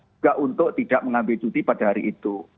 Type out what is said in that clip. juga untuk tidak mengambil cuti pada hari itu